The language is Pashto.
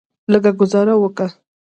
لږه ګوزاره وکه.